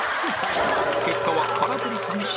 結果は空振り三振